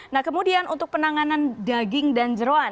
nah kemudian untuk penanganan daging dan jerawan